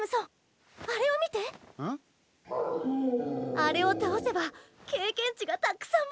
あれをたおせば経験値がたくさんもらえるよ！